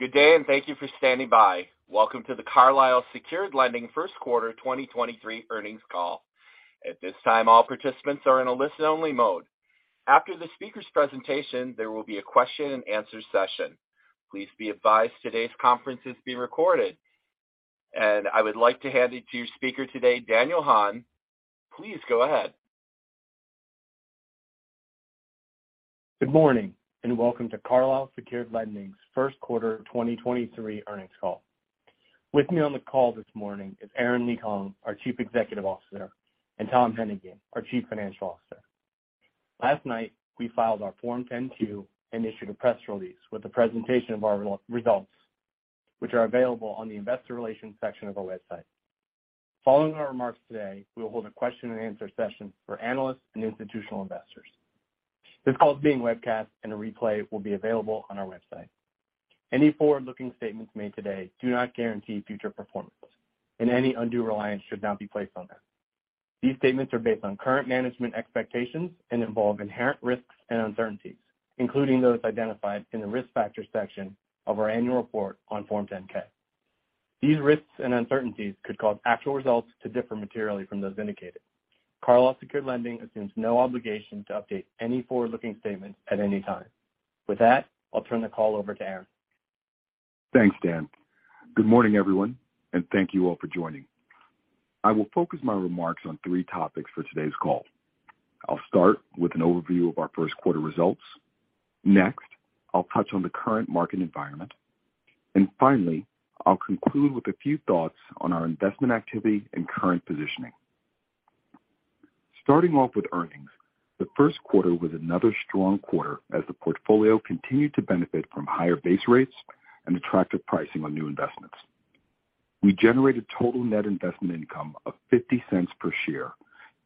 Good day, thank you for standing by. Welcome to the Carlyle Secured Lending First Quarter 2023 Earnings Call. At this time, all participants are in a listen-only mode. After the speaker's presentation, there will be a question and answer session. Please be advised today's conference is being recorded. I would like to hand it to your speaker today, Daniel Hahn. Please go ahead. Good morning. Welcome to Carlyle Secured Lending's First Quarter 2023 Earnings Call. With me on the call this morning is Aren LeeKong, our Chief Executive Officer, and Tom Hennigan, our Chief Financial Officer. Last night, we filed our Form 10-Q and issued a press release with the presentation of our re-results, which are available on the investor relations section of our website. Following our remarks today, we will hold a question and answer session for analysts and institutional investors. This call is being webcast. A replay will be available on our website. Any forward-looking statements made today do not guarantee future performance. Any undue reliance should not be placed on them. These statements are based on current management expectations and involve inherent risks and uncertainties, including those identified in the Risk Factors section of our annual report on Form 10-K. These risks and uncertainties could cause actual results to differ materially from those indicated. Carlyle Secured Lending assumes no obligation to update any forward-looking statements at any time. With that, I'll turn the call over to Aren. Thanks, Dan. Good morning, everyone, and thank you all for joining. I will focus my remarks on three topics for today's call. I'll start with an overview of our first quarter results. Next, I'll touch on the current market environment. Finally, I'll conclude with a few thoughts on our investment activity and current positioning. Starting off with earnings, the first quarter was another strong quarter as the portfolio continued to benefit from higher base rates and attractive pricing on new investments. We generated total net investment income of $0.50 per share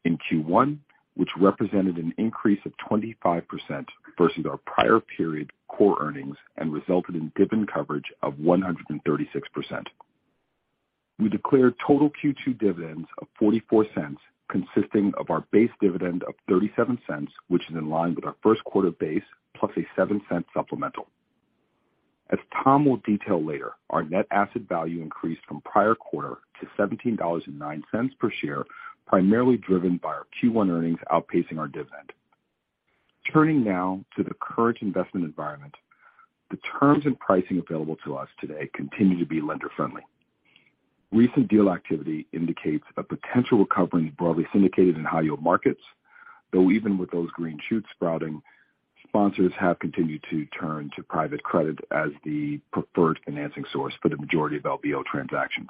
in Q1, which represented an increase of 25% versus our prior period core earnings and resulted in dividend coverage of 136%. We declared total Q2 dividends of $0.44 consisting of our base dividend of $0.37, which is in line with our first quarter base, plus a $0.07 supplemental. As Tom will detail later, our net asset value increased from prior quarter to $17.09 per share, primarily driven by our Q1 earnings outpacing our dividend. Turning now to the current investment environment, the terms and pricing available to us today continue to be lender-friendly. Recent deal activity indicates a potential recovery in broadly syndicated and high-yield markets, though even with those green shoots sprouting, sponsors have continued to turn to private credit as the preferred financing source for the majority of LBO transactions.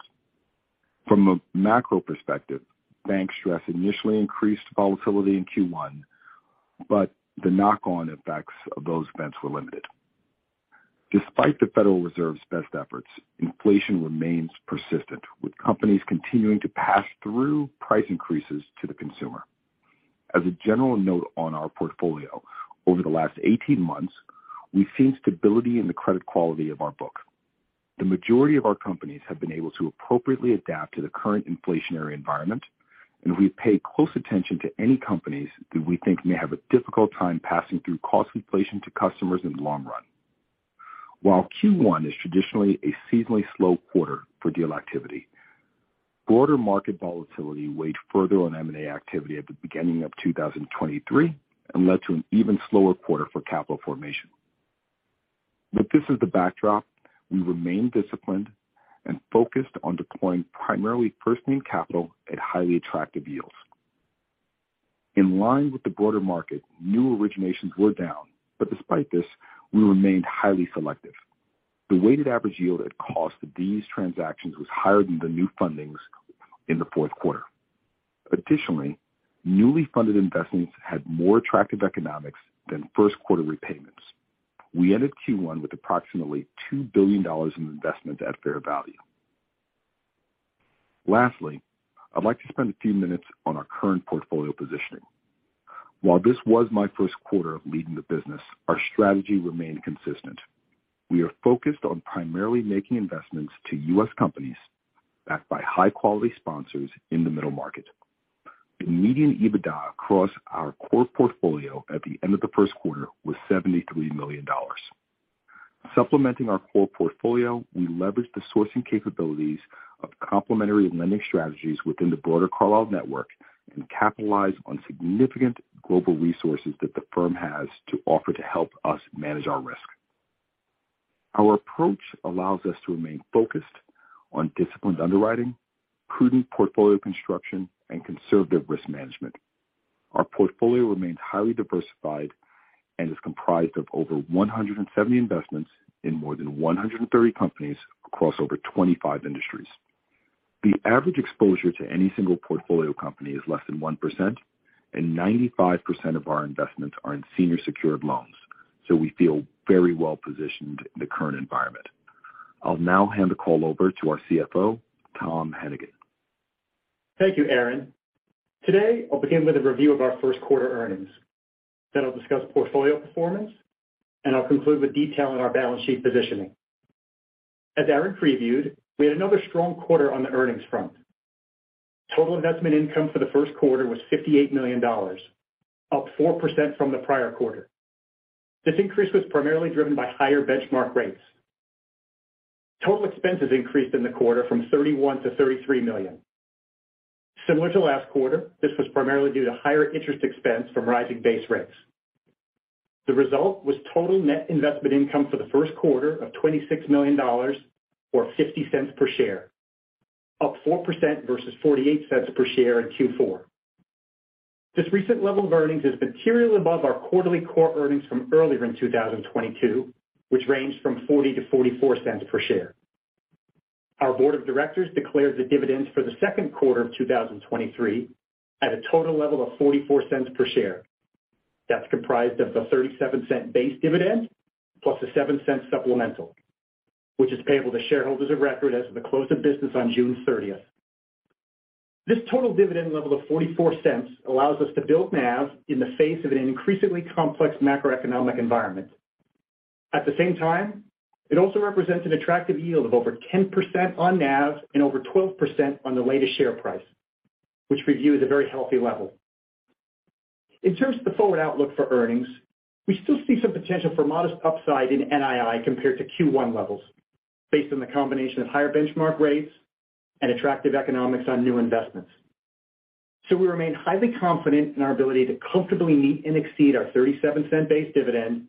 From a macro perspective, bank stress initially increased volatility in Q1, but the knock-on effects of those events were limited. Despite the Federal Reserve's best efforts, inflation remains persistent, with companies continuing to pass through price increases to the consumer. As a general note on our portfolio, over the last 18 months, we've seen stability in the credit quality of our book. The majority of our companies have been able to appropriately adapt to the current inflationary environment. We pay close attention to any companies that we think may have a difficult time passing through cost inflation to customers in the long run. While Q1 is traditionally a seasonally slow quarter for deal activity, broader market volatility weighed further on M&A activity at the beginning of 2023 and led to an even slower quarter for capital formation. With this as the backdrop, we remain disciplined and focused on deploying primarily first lien capital at highly attractive yields. In line with the broader market, new originations were down. Despite this, we remained highly selective. The weighted average yield at cost of these transactions was higher than the new fundings in the fourth quarter. Additionally, newly funded investments had more attractive economics than first quarter repayments. We ended Q1 with approximately $2 billion in investment at fair value. Lastly, I'd like to spend a few minutes on our current portfolio positioning. While this was my first quarter of leading the business, our strategy remained consistent. We are focused on primarily making investments to US companies backed by high-quality sponsors in the middle market. The median EBITDA across our core portfolio at the end of the first quarter was $73 million. Supplementing our core portfolio, we leverage the sourcing capabilities of complementary lending strategies within the broader Carlyle network and capitalize on significant global resources that the firm has to offer to help us manage our risk. Our approach allows us to remain focused on disciplined underwriting, prudent portfolio construction, and conservative risk management. Our portfolio remains highly diversified and is comprised of over 170 investments in more than 130 companies across over 25 industries. The average exposure to any single portfolio company is less than 1%, and 95% of our investments are in senior secured loans. We feel very well-positioned in the current environment. I'll now hand the call over to our CFO, Tom Hennigan. Thank you, Aren. Today, I'll begin with a review of our first quarter earnings. I'll discuss portfolio performance, and I'll conclude with detail on our balance sheet positioning. As Aren previewed, we had another strong quarter on the earnings front. Total investment income for the first quarter was $58 million, up 4% from the prior quarter. This increase was primarily driven by higher benchmark rates. Total expenses increased in the quarter from $31 million-$33 million. Similar to last quarter, this was primarily due to higher interest expense from rising base rates. The result was total net investment income for the first quarter of $26 million, or $0.50 per share, up 4% versus $0.48 per share in Q4. This recent level of earnings is materially above our quarterly core earnings from earlier in 2022, which ranged from $0.40-$0.44 per share. Our board of directors declared the dividends for the second quarter of 2023 at a total level of $0.44 per share. That's comprised of the $0.37 base dividend plus a $0.07 supplemental, which is payable to shareholders of record as of the close of business on June 30th. This total dividend level of $0.44 allows us to build NAV in the face of an increasingly complex macroeconomic environment. At the same time, it also represents an attractive yield of over 10% on NAV and over 12% on the latest share price, which we view as a very healthy level. In terms of the forward outlook for earnings, we still see some potential for modest upside in NII compared to Q1 levels based on the combination of higher benchmark rates and attractive economics on new investments. We remain highly confident in our ability to comfortably meet and exceed our $0.37 base dividend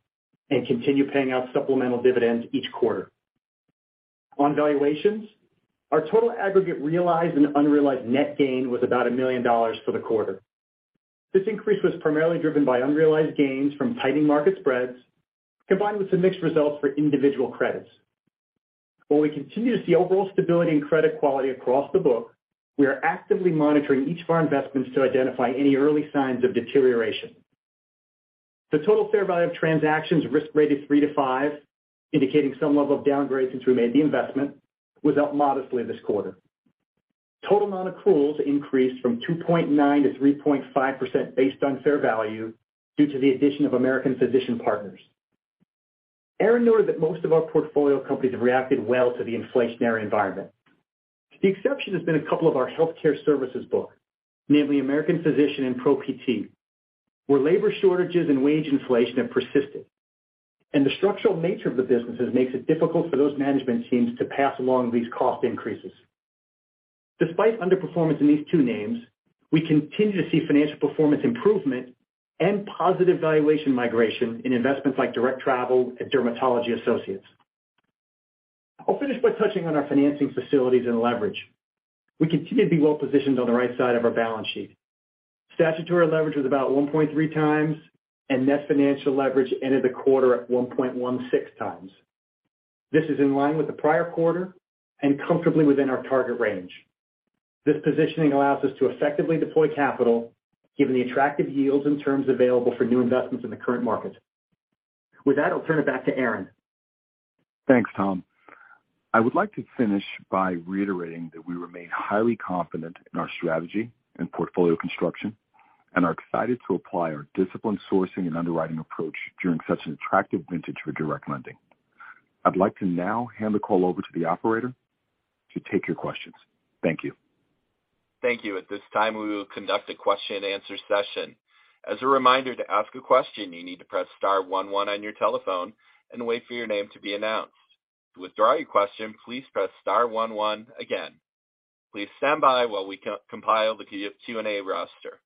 and continue paying out supplemental dividends each quarter. On valuations, our total aggregate realized and unrealized net gain was about $1 million for the quarter. This increase was primarily driven by unrealized gains from tightening market spreads, combined with some mixed results for individual credits. While we continue to see overall stability and credit quality across the book, we are actively monitoring each of our investments to identify any early signs of deterioration. The total fair value of transactions risk rated three to five, indicating some level of downgrade since we made the investment, was up modestly this quarter. Total non-accruals increased from 2.9% to 3.5% based on fair value due to the addition of American Physician Partners. Aren noted that most of our portfolio companies have reacted well to the inflationary environment. The exception has been a couple of our healthcare services book, namely American Physician and ProPT, where labor shortages and wage inflation have persisted, and the structural nature of the businesses makes it difficult for those management teams to pass along these cost increases. Despite underperformance in these two names, we continue to see financial performance improvement and positive valuation migration in investments like Direct Travel and Dermatology Associates. I'll finish by touching on our financing facilities and leverage. We continue to be well positioned on the right side of our balance sheet. Statutory leverage was about 1.3x and net financial leverage ended the quarter at 1.16x. This is in line with the prior quarter and comfortably within our target range. This positioning allows us to effectively deploy capital given the attractive yields and terms available for new investments in the current market. With that, I'll turn it back to Aren. Thanks, Tom. I would like to finish by reiterating that we remain highly confident in our strategy and portfolio construction and are excited to apply our disciplined sourcing and underwriting approach during such an attractive vintage for direct lending. I'd like to now hand the call over to the operator to take your questions. Thank you. Thank you. At this time, we will conduct a question and answer session. As a reminder, to ask a question, you need to press star one one on your telephone and wait for your name to be announced. To withdraw your question, please press star one one again. Please stand by while we compile the Q&A roster.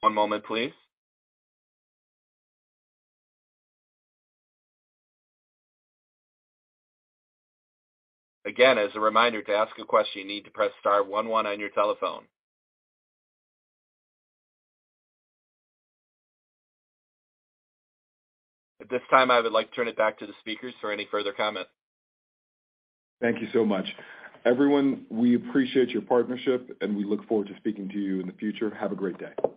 One moment, please. Again, as a reminder, to ask a question you need to press star one one on your telephone. At this time, I would like to turn it back to the speakers for any further comments. Thank you so much. Everyone, we appreciate your partnership, and we look forward to speaking to you in the future. Have a great day.